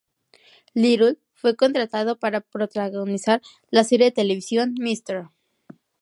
Little fue contratado para protagonizar la serie de televisión "Mr.